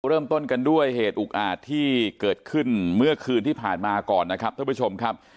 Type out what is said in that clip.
เริ่มต้นกันด้วยเหตุอุกอาจที่เกิดขึ้นเมื่อคืนที่ผ่านมาก่อนนะครับท่านผู้ชมครับ